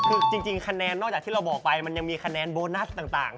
คือจริงคะแนนนอกจากที่เราบอกไปมันยังมีคะแนนโบนัสต่าง